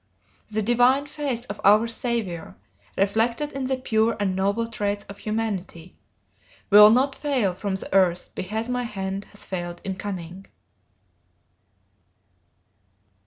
The divine face of our Saviour, reflected in the pure and noble traits of humanity, will not fail from the earth because my hand has failed in cunning."